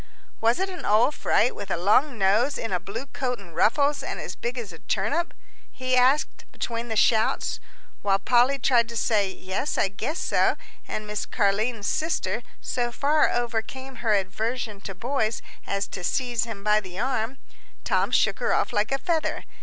"Was it an old fright with a long nose in a blue coat and ruffles, and as big as a turnip?" he asked between the shouts. While Polly tried to say, "Yes, I guess so," and Miss Car'line's sister so far overcame her aversion to boys as to seize him by the arm, Tom shook her off like a feather.